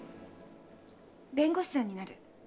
弁護士さんになる。